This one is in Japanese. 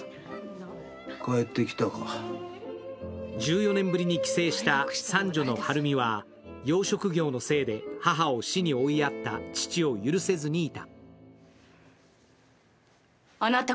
１４年ぶりに帰省した三女の遥海は養殖業のせいで、母を死に追いやった父を許せずにいた。